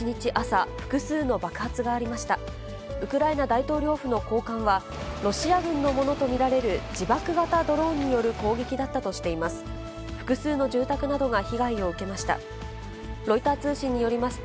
大統領府の高官は、ロシア軍のものと見られる自爆型ドローンによる攻撃だったとしています。